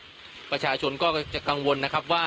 ตอนนี้ผมอยู่ในพื้นที่อำเภอโขงเจียมจังหวัดอุบลราชธานีนะครับ